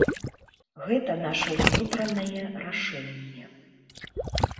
Гэта наша ўнутранае рашэнне.